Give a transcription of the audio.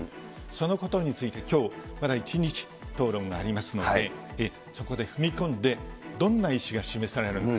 そのことについてきょう、まだ１日答弁がありますので、そこで踏み込んで、どんな意志が示されるのか。